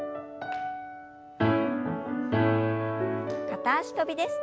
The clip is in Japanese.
片脚跳びです。